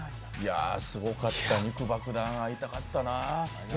すごかった、肉バクダン会いたかったな。